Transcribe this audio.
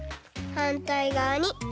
はんたいがわに。